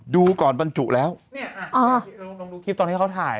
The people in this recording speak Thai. ดูก่อนบรรจุแล้วเนี่ยลองดูคลิปตอนที่เขาถ่าย